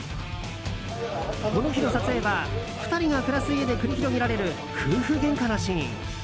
この日の撮影は２人が暮らす家で繰り広げられる夫婦げんかのシーン。